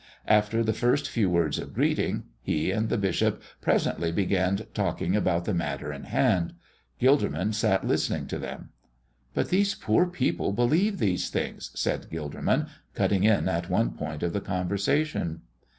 After the first few words of greeting, he and the bishop presently began talking about the matter in hand. Gilderman sat listening to them. "But these poor people believe these things," said Gilderman, cutting in at one point of the conversation.